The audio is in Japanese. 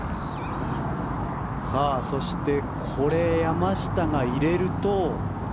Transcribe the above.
そしてこれ、山下が入れると。